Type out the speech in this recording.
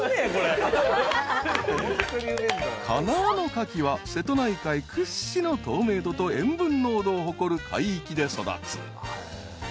［かなわのかきは瀬戸内海屈指の透明度と塩分濃度を誇る海域で育つ］